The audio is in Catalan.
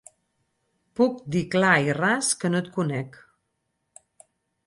Puc dir clar i ras que no et conec.